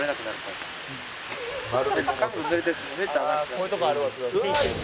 「こういうとこあるわ津田さん」